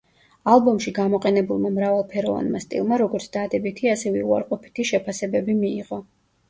ალბომში გამოყენებულმა მრავალფეროვანმა სტილმა როგორც დადებითი, ასევე უარყოფითი შეფასებები მიიღო.